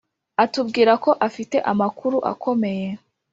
atubwirako afite amakuru akomeye